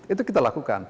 itu kita lakukan